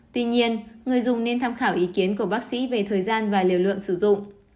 tuy nhiên người dùng nên tham khảo ý kiến của bác sĩ về thời gian và liều lượng sử dụng